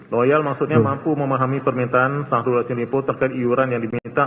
loyal maksudnya mampu memahami permintaan syahrul yassin limpo terkait iuran yang diminta